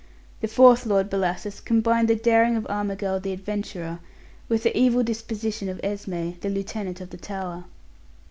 The fourth Lord Bellasis combined the daring of Armigell, the adventurer, with the evil disposition of Esme, the Lieutenant of the Tower.